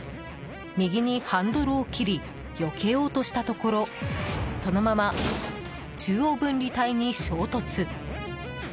右にハンドルを切りよけようとしたところそのまま中央分離帯に衝突。